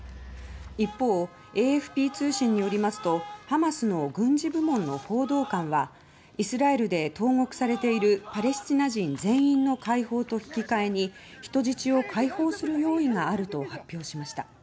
一方ＡＦＰ通信によりますとハマスの軍事部門の報道官はイスラエルで投獄されているパレスチナ人全員の解放と引き換えに人質を解放する用意があると発表しました。